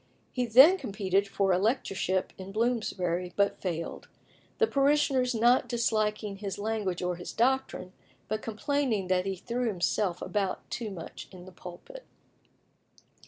He then competed for a lecturership in Bloomsbury, but failed, the parishioners not disliking his language or his doctrine, but complaining that he threw himself about too much in the pulpit.